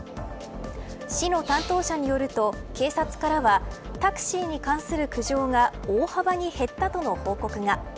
市の担当者によると警察からはタクシーに関する苦情が大幅に減ったとの報告が。